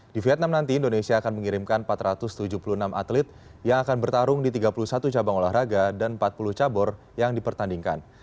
di vietnam nanti indonesia akan mengirimkan empat ratus tujuh puluh enam atlet yang akan bertarung di tiga puluh satu cabang olahraga dan empat puluh cabur yang dipertandingkan